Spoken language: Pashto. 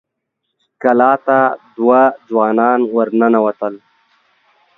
کلا ته دوه ځوانان ور ننوتل.